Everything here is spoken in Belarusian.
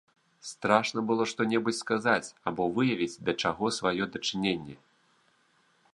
Страшна было што-небудзь сказаць або выявіць да чаго сваё дачыненне.